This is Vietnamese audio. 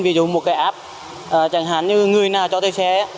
ví dụ một cái app chẳng hạn như người nào cho thuê xe